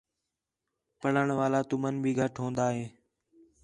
پِھرݨ والا تُمن بھی گھٹ ہون٘دا ہِے